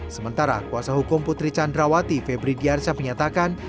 sementara kuasa hukum putri candrawati febri diansyah menyatakan